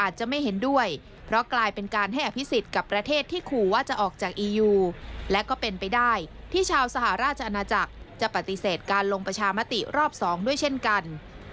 สหราชอาณาจักรจะปฏิเสธการลงประชามาติรอบสองด้วยเช่นกัน